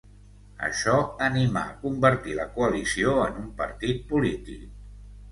Això animà a convertir la coalició en un partit polític.